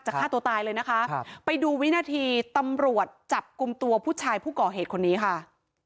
ฆ่าตัวตายเลยนะคะครับไปดูวินาทีตำรวจจับกลุ่มตัวผู้ชายผู้ก่อเหตุคนนี้ค่ะ